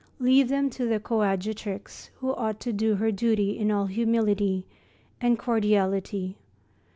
Leave them to the coadjutrix, who ought to do her duty in all humility and cordiality.